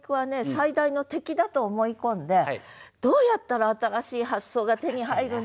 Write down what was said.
最大の敵だと思い込んで「どうやったら新しい発想が手に入るんだろう？」って